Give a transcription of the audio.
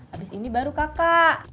abis ini baru kakak